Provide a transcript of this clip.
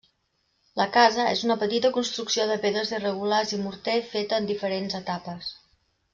La casa és una petita construcció de pedres irregulars i morter feta en diferents etapes.